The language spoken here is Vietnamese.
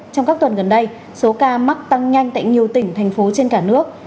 trong các tuần gần đây số ca mắc tăng nhanh tại nhiều tỉnh thành phố trên cả nước